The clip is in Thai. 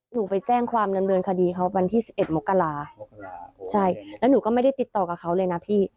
หนูไปแจ้งความดำเนินคดีเขาวันที่๑๑มกราใช่แล้วหนูก็ไม่ได้ติดต่อกับเขาเลยนะพี่